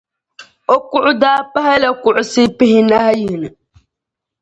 O kuɣu daa pahila kuɣusi pihinahi yini.